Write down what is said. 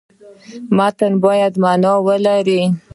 متن باید معنا ولري.